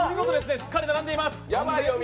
しっかり並んでいます。